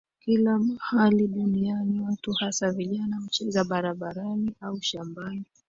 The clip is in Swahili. Kila mahali dunaini watu hasa vijana hucheza barabarani au shambani